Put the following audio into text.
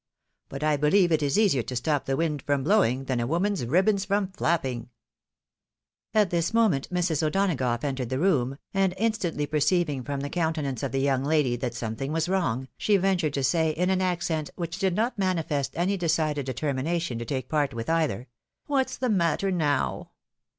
But I believe it is easier to stop the wind from blowing, than a woman's ribbons from flapping." At this moment Mrs. O'Donagough entered the room, and instantly perceiving from the countenance of the young lady that something was wrong, she ventured to say in an accent which did not manifest any decided determination to take part with either, " What's the matter now?